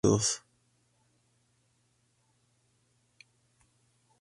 Le persigue hasta las alcantarillas, donde es capturada por más esclavos cerdos.